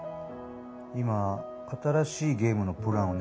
今新しいゲームのプランを練ってる。